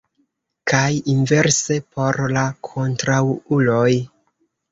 Kaj inverse por la kontraŭuloj.